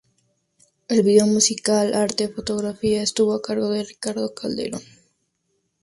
El vídeo musical, arte y fotografía estuvo a cargo de Ricardo Calderón.